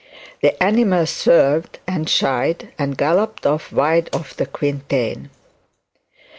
The animal swerved and shied, and galloped off wide of the quintain.